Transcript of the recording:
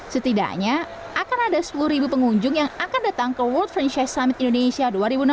setidaknya akan ada sepuluh pengunjung yang akan datang ke world franchise summit indonesia dua ribu enam belas